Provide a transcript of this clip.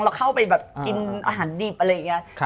เราเข้าไปแบบกินอาหารดิบอะไรอย่างนี้